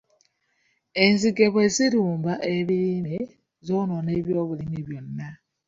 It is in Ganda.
Enzige bwe zirumba ebirime, zoonoona ebyobulimi byonna.